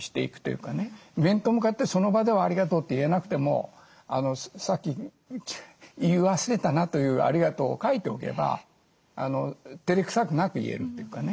面と向かってその場では「ありがとう」って言えなくてもさっき言い忘れたなという「ありがとう」を書いておけばてれくさくなく言えるというかね。